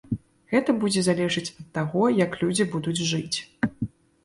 Гэта будзе залежаць ад таго, як людзі будуць жыць.